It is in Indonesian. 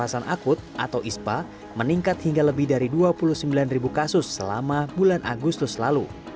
kekerasan akut atau ispa meningkat hingga lebih dari dua puluh sembilan ribu kasus selama bulan agustus lalu